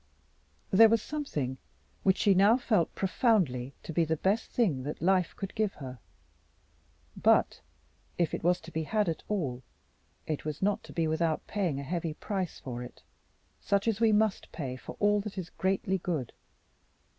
There was something which she now felt profoundly to be the best thing that life could give her. But if it was to be had at all it was not to be had without paying a heavy price for it, such as we must pay for all that is greatly good.